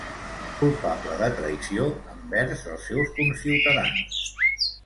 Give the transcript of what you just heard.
Culpable de traïció envers els seus conciutadans.